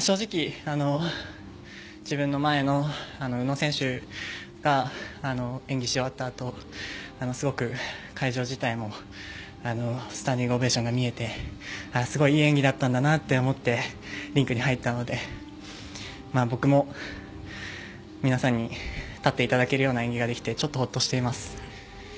正直、自分の前の宇野選手が演技し終わった後会場自体もスタンディングオベーションが見えていい演技だったんだなと思ってリンクに入ったので僕も皆さんに立っていただけるような演技ができてほっとしています。